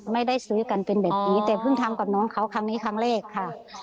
ไม่ได้ซื้อกันเป็นแบบนี้แต่เพิ่งทำกับน้องเขาครั้งนี้ครั้งแรกค่ะ